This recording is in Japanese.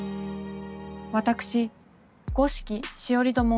私五色しおりと申します。